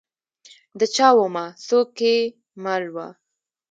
د چا ومه؟ څوک کې مل وه ؟